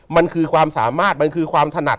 มันคือความสามารถมันคือความถนัด